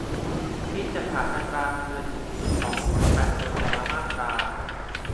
คิดจากฐานอัตราเงินเดือนสูงสุดของผู้ประกันตนแต่ละมาตรา